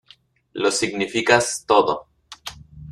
lo significas todo.